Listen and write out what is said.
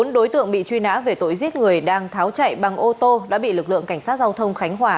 bốn đối tượng bị truy nã về tội giết người đang tháo chạy bằng ô tô đã bị lực lượng cảnh sát giao thông khánh hòa